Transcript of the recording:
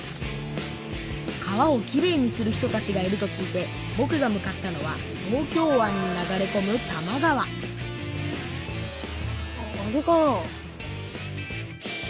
川をきれいにする人たちがいると聞いてぼくが向かったのは東京湾に流れこむ多摩川あっあれかな？